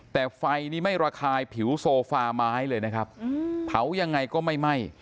แต่ไฟนี่ไม่ระคายผิวโซฟาไม้เลยนะครับเผายังไงก็ไม่ไหม้